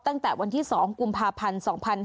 ตั้งแต่วันที่๒กุมภาพันธ์๒๕๕๙